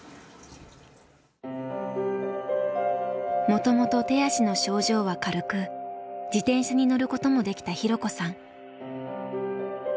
もともと手足の症状は軽く自転車に乗ることもできた弘子さん。